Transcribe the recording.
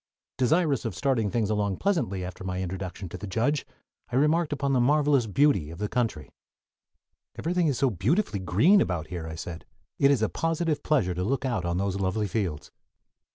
Desirous of starting things along pleasantly after my introduction to the judge, I remarked upon the marvelous beauty of the country. "Everything is beautifully green about here," I said. "It is a positive pleasure to look out on those lovely fields."